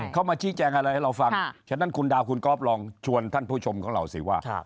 เขามาชี้แจงอะไรให้เราฟังฉะนั้นคุณดาวคุณก๊อฟลองชวนท่านผู้ชมของเราสิว่า